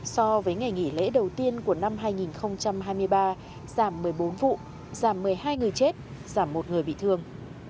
so với ngày nghỉ lễ đầu tiên của năm hai nghìn hai mươi ba giảm một mươi bốn vụ giảm một mươi hai người chết giảm một người bị thương